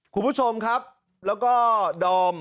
คุณผู้ชมครับแล้วก็ดอม